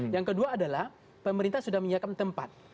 yang kedua adalah pemerintah sudah menyiapkan tempat